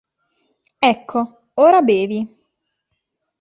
Ecco, ora bevi.